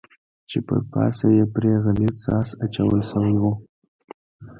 چې پر پاسه یې پرې غلیظ ساس اچول شوی و.